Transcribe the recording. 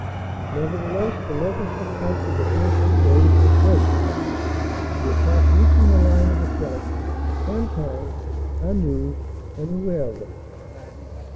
Nevertheless the local success of the first two days was great, the attack reaching the line of the Scheldt, Cantaing, Anneux and Moeuvres.